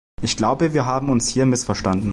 Ich glaube, wir haben uns hier missverstanden.